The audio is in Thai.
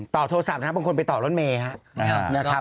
โทรศัพท์นะครับบางคนไปต่อรถเมย์นะครับ